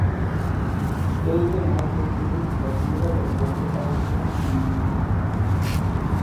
Todos son más pequeños que la Tierra de acuerdo a alguna magnitud.